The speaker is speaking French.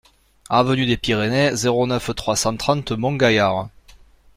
Avenue des Pyrénées, zéro neuf, trois cent trente Montgaillard